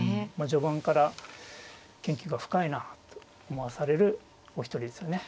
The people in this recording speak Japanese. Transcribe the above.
序盤から研究が深いなあと思わされるお一人ですよね。